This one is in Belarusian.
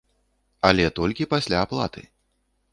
Але толькі пасля аплаты!